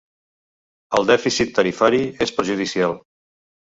El dèficit tarifari és perjudicial.